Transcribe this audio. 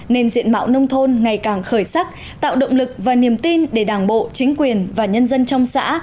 nên diện mạo nông thôn ngày càng khởi sắc tạo động lực và niềm tin để đảng bộ chính quyền và nhân dân trong xã